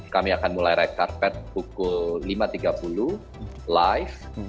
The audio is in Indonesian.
kami akan mulai ride carpet pukul lima tiga puluh live